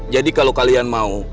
jadi kalau kalian mau